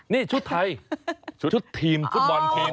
นี่ชุดไทยชุดทีมฟุตบอลทีม